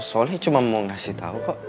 soalnya cuma mau ngasih tahu kok